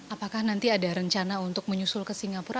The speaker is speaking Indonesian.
apakah nanti ada rencana untuk menyusul ke singapura